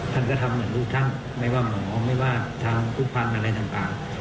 ท่านก็ทำเหมือนลูกท่านไม่ว่าหมอไม่ว่าทางผู้พันธุ์อะไรต่าง